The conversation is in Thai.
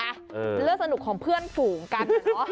เป็นเรื่องสนุกของเพื่อนฝูงกัน